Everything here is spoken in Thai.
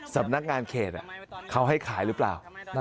สำนักงานเขตเขาให้ขายหรือเปล่า